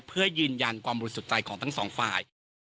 เพื่อยืนยันความรู้สึกใจของทั้งสองฝ่าย